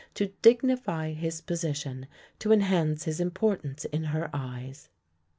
to dignify his position, to enhance his importance in her eyes.